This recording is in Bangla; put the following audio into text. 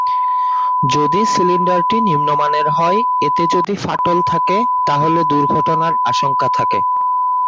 যদি সিলিন্ডারটি নিম্নমানের হয়, এতে যদি ফাটল থাকে, তাহলে দুর্ঘটনার আশঙ্কা থাকে।